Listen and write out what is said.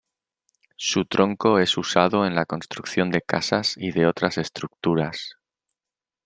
Su tronco es usado en la construcción de casas y de otras estructuras.